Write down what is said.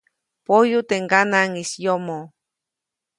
Poyu teʼ ŋganaŋʼis yomoʼ.